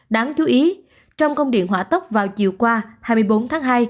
đáng chú ý trong công điện hỏa tốc vào chiều qua hai mươi bốn tháng hai